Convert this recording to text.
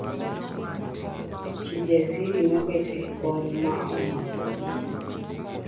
Kijasiri nobet e kom ma omako wiye.